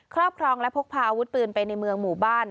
รอบครองและพกพาอาวุธปืนไปในเมืองหมู่บ้าน